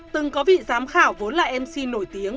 từng có vị giám khảo vốn là mc nổi tiếng